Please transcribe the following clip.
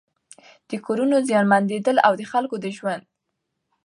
د کورونو زيانمنېدل او د خلکو د ژوند